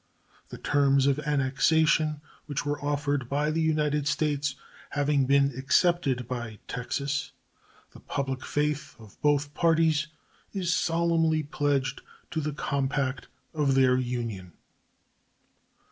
The terms of annexation which were offered by the United States having been accepted by Texas, the public faith of both parties is solemnly pledged to the compact of their union.